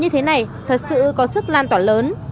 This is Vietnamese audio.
như thế này thật sự có sức lan tỏa lớn